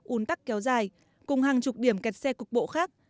un tắc kéo dài cùng hàng chục điểm kẹt xe cục bộ khác